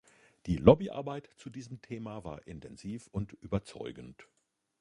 Die Lobbyarbeit zu diesem Thema war intensiv und überzeugend.